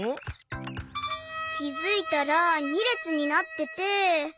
きづいたら２れつになってて。